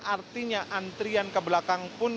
artinya antrian ke belakang pun